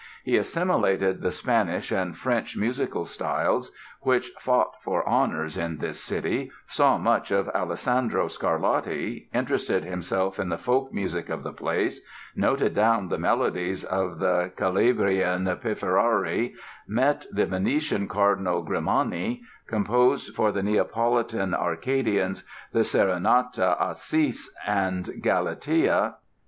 He assimilated the Spanish and French musical styles which "fought for honors in this city"; saw much of Alessandro Scarlatti, interested himself in the folk music of the place, noted down the melodies of the Calabrian Pifferari, met the Venetian Cardinal Grimani, composed for the Neapolitan "Arcadians" the serenata "Acis and Galatea".